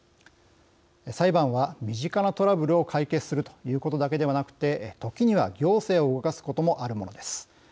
裁判は、身近なトラブルを解決するということだけではなくて時には、行政を動かすこともあるものです。